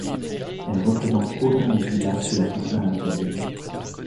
Elles représentent autant les villas que leurs jardins à l'italienne.